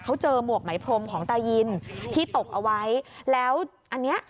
เขาเจอหมวกไหมพรมของตายินที่ตกเอาไว้แล้วอันเนี้ย